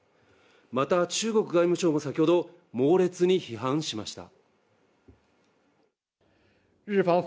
また、中国外務省も先ほど猛烈に批判しました。